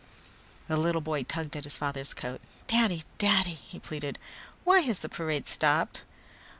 The little boy tugged at his father's coat. "Daddy! Daddy," he pleaded, "why has the parade stopped?